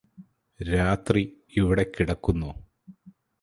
രാത്രി ഇവിടെ കിടക്കുന്നോ